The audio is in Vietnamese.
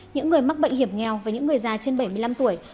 những người mắc bệnh hiểm nghèo và những người già trên bảy mươi năm tuổi